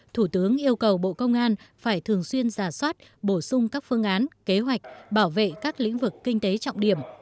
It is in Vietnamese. thủ tướng yêu cầu bộ công an phải thường xuyên giả soát bổ sung các phương án kế hoạch bảo vệ các lĩnh vực kinh tế trọng điểm